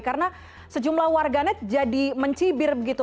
karena sejumlah warganet jadi mencibir begitu